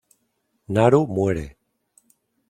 Naru muere.